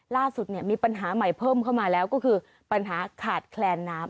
ล่าสุดเนี่ยมีปัญหาใหม่เพิ่มเข้ามาแล้วก็คือปัญหาขาดแคลนน้ำ